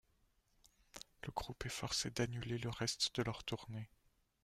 Le groupe est forcé d'annuler le reste de leur tournée.